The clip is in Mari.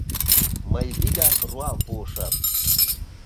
Мый вигак руал пуышым.